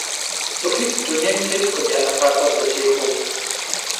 Цӏыхуитӏ дунейм теткъым я ӏэпапӏэр зэтехуэу.